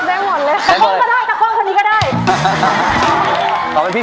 หมดเลยแต่คล้องก็ได้แต่คล้องทีนี้ก็ได้ตอบให้พี่